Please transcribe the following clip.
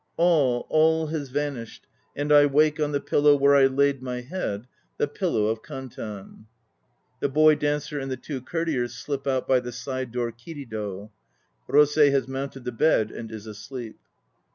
All, all has vanished and I wake On the pillow where I laid my head, The Pillow of Kantan. (The BOY DANCER and the two COURTIERS slip out by the side door "kirido"; ROSEI has mounted the bed and is asleep.)